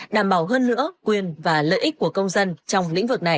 đảm bảo hơn nữa quyền và lợi ích của công dân trong lĩnh vực này